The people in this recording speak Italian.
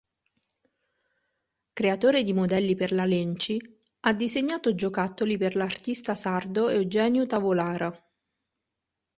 Creatore di modelli per la Lenci, ha disegnato giocattoli per l'artista sardo Eugenio Tavolara.